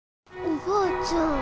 おばあちゃん。